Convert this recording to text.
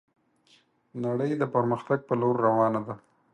نړي د پرمختګ په لور روانه ده